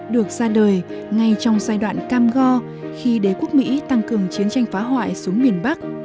được ra đời ngay trong giai đoạn cam go khi đế quốc mỹ tăng cường chiến tranh phá hoại xuống miền bắc